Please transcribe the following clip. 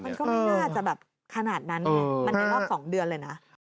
มันก็ไม่น่าจะแบบขนาดนั้นไงมันในรอบ๒เดือนเลยนะ